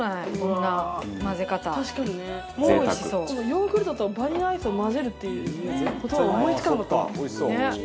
ヨーグルトとバニラアイスを混ぜるっていう事を思い付かなかった。